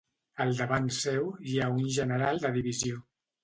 A davant seu, hi ha un general de divisió.